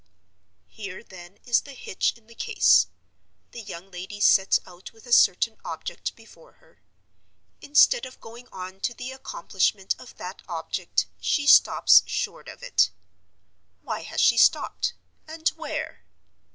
"Here, then, is the hitch in the case. The young lady sets out with a certain object before her. Instead of going on to the accomplishment of that object, she stops short of it. Why has she stopped? and where?